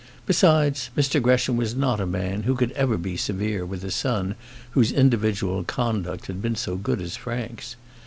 Besides, Mr Gresham was not a man who could ever be severe with a son whose individual conduct had been so good as Frank's.